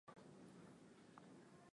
Si mngesema na sisi pia tubadilishe